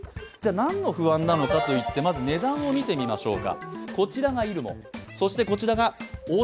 何が不安なのかまず値段を見てみましょう。